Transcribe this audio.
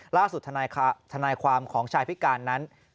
ล่าสุดธนายความของชายพิการนั้น